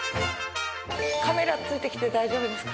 カメラついてきて大丈夫ですか？